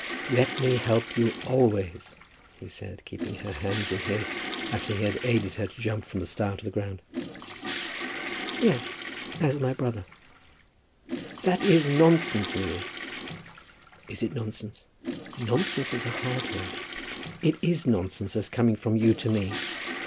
"Let me help you always," he said, keeping her hands in his after he had aided her to jump from the stile to the ground. "Yes, as my brother." "That is nonsense, Lily." "Is it nonsense? Nonsense is a hard word." "It is nonsense as coming from you to me.